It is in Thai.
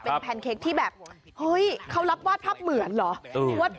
เป็นแพนเค้กที่แบบเฮ้ยเขารับวาดภาพเหมือนเหรอ